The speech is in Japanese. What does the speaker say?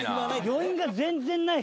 余韻が全然ない。